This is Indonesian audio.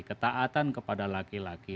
ketaatan kepada laki laki